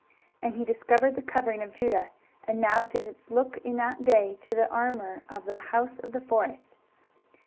23:022:008 And he discovered the covering of Judah, and thou didst look in that day to the armour of the house of the forest.